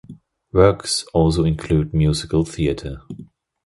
Works also include musical theatre.